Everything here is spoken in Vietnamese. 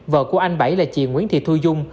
vợ của anh bảy là chị nguyễn thị thu dung